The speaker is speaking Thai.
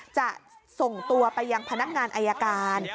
จะส่งตัวไปยังพนักงานอายการ